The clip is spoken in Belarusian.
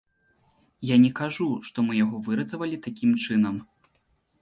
Я не кажу, што мы яго выратавалі такім чынам.